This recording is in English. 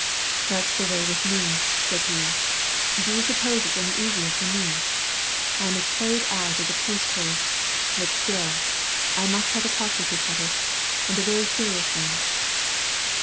"That's the way with me," said he. "Do you suppose it's any easier for me ? I am as played out as a post horse, * bat still, I must have a talk with you Katish, and a very serious one."